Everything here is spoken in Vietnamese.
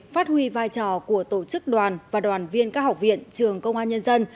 phát huy vai trò của tổ chức đoàn và đoàn viên các học viện trường công an nhân dân